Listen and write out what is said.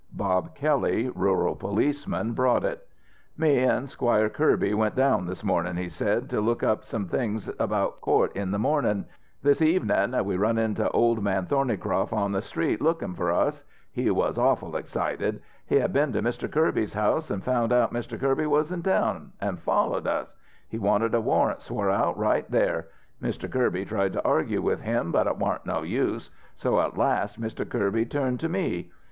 Bob Kelley, rural policeman, brought it. "Me an' Squire Kirby went to town this mornin'," he said, "to look up some things about court in the mornin.' This evenin' we run into Old Man Thornycroft on the street, lookin' for us. He was awful excited. He had been to Mr. Kirby's house, an' found out Mr. Kirby was in town, an' followed us. He wanted a warrant swore out right there. Mr. Kirby tried to argue with him, but it warn't no use. So at last Mr. Kirby turned to me.